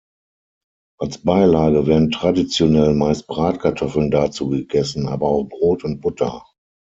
Als Beilage werden traditionell meist Bratkartoffeln dazu gegessen, aber auch Brot und Butter.